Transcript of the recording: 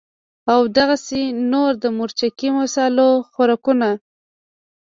او دغسې نور د مرچکي مصالو خوراکونه